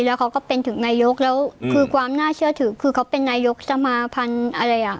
แล้วเขาก็เป็นถึงนายกแล้วคือความน่าเชื่อถือคือเขาเป็นนายกสมาพันธุ์อะไรอ่ะ